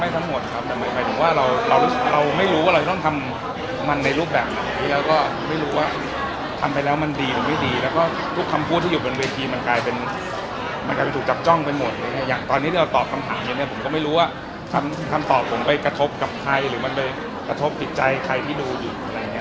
คุณค่ะคุณค่ะคุณค่ะคุณค่ะคุณค่ะคุณค่ะคุณค่ะคุณค่ะคุณค่ะคุณค่ะคุณค่ะคุณค่ะคุณค่ะคุณค่ะคุณค่ะคุณค่ะคุณค่ะคุณค่ะคุณค่ะคุณค่ะคุณค่ะคุณค่ะคุณค่ะคุณค่ะคุณค่ะคุณค่ะคุณค่ะคุณค่ะคุณค่ะคุณค่ะคุณค่ะคุณค่ะ